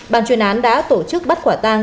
ban chuyên án đã tổ chức bắt quả tang